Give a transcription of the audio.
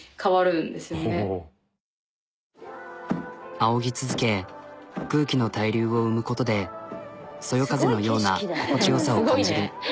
あおぎ続け空気の対流を生むことでそよ風のような心地よさを感じる。